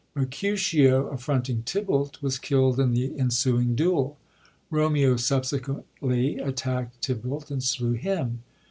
Mercutio, affronting Tybalt, was killd in the ensuing duel. Romeo subsequently attackt Tybalt and slew him.